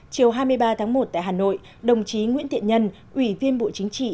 chiều hai mươi ba tháng một tại hà nội đồng chí nguyễn thiện nhân ủy viên bộ chính trị